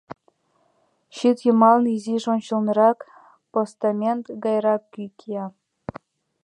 Щит йымалне, изиш ончылнырак постамент гайрак кӱ кия.